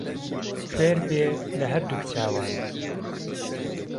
کوێر بێ له ههر دووک چاوان